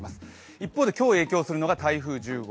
一方で今日影響するのが台風１０号。